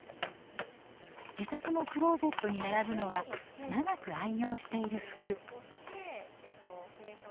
自宅のクローゼットに並ぶのは長く愛用している服。